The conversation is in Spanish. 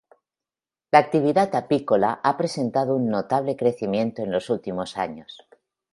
La actividad apícola ha presentado un notable crecimiento en los últimos años.